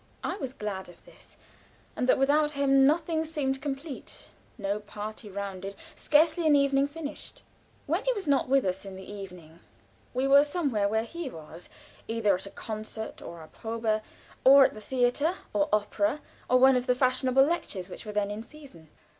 I was glad of this, and that without him nothing seemed complete, no party rounded, scarcely an evening finished. When he was not with us in the evening, we were somewhere where he was; either at a concert or a probe, or at the theater or opera, or one of the fashionable lectures which were then in season.